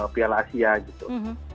piala asia gitu